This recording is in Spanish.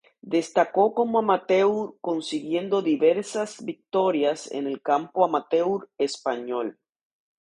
Destacó como amateur consiguiendo diversas victorias en el campo amateur español.